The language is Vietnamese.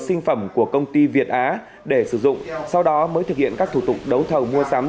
sinh phẩm của công ty việt á để sử dụng sau đó mới thực hiện các thủ tục đấu thầu mua sắm